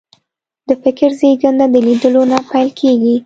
د فکر زېږنده د لیدلو نه پیل کېږي